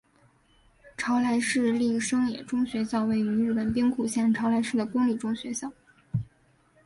朝来市立生野中学校位于日本兵库县朝来市的公立中学校。